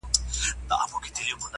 صبر ته د سترګو مي مُغان راسره وژړل-